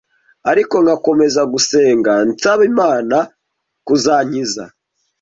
ariko nkakomeza gusenga nsaba Imana kuzankiza